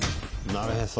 なるへそ。